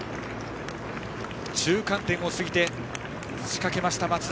中間点を過ぎて仕掛けた松田。